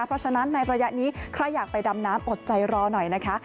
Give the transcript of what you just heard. เพราะฉะนั้นในระยะนี้ใครอยากไปดำน้ำอดใจรอหน่อยนะคะ